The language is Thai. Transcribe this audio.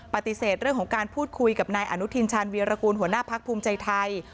ปฏิเสธเรื่องของการพูดคุยกับนายอนุทินชาญวีรกูลหัวหน้าพักภูมิใจไทย